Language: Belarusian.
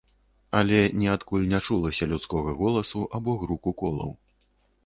Але ніадкуль не чулася людскога голасу або груку колаў.